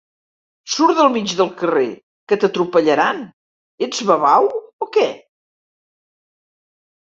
Surt del mig del carrer, que t'atropellaran! Ets babau, o què!